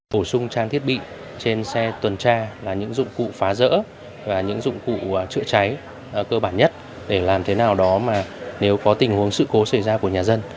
phổ sung trang thiết bị trên xe tuần tra là những dụng cụ phá rỡ và những dụng cụ chữa cháy cơ bản nhất để làm thế nào đó mà nếu có tình huống sự cố xảy ra của nhà dân